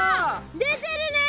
出てるね。